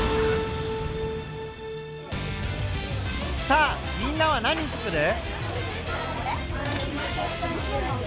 さあみんなは何つくる？